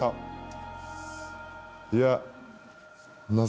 いや。